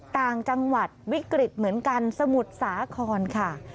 ต่างจังหวัดวิกฤตเหมือนกันสมุทรสาครค่ะ